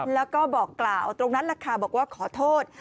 แล้วก็บอกกล่าวตรงนั้นแหละค่ะบอกว่าขอโทษ